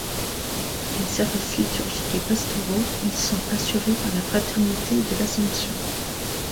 Les services liturgiques et pastoraux y sont assurés par la fraternité de l’Assomption.